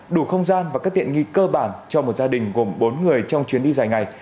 đủ không gian và các tiện nghi cơ bản cho một gia đình gồm bốn người trong chuyến đi dài ngày